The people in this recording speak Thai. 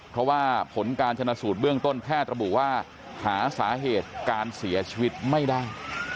เพราะว่าผลการชนะสูตรเบื้องต้นแพทย์ระบุว่าหาสาเหตุการเสียชีวิตไม่ได้